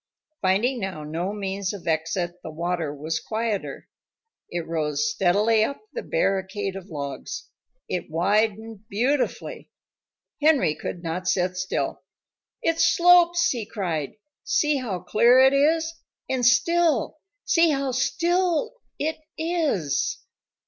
Finding now no means of exit, the water was quieter. It rose steadily up the barricade of logs. It widened beautifully. Henry could not sit still. "It slopes!" he cried. "See how clear it is! And still! See how still it is!"